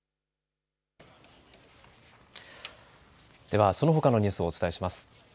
では、そのほかのニュースをお伝えします。